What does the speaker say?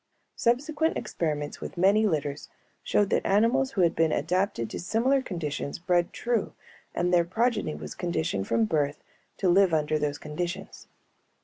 Subsequent experiments with many litters showed that animals who had been adapted to similar conditions bred true and their progeny was conditioned from birth to live under those conditions.